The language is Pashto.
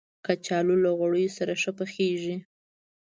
کچالو له غوړیو سره ښه پخیږي